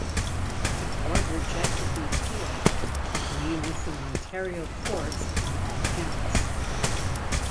The Board rejected the appeal, agreeing with the Ontario courts on all counts.